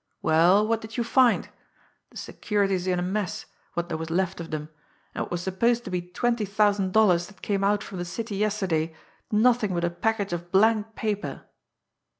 Well, what did you find? The securities in a mess, what there was left of them and what was supposed to be twenty thousand dollars that came out from the city yesterday nothing but a package of blank paper!"